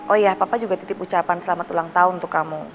oh iya papa juga titip ucapan selamat ulang tahun untuk kamu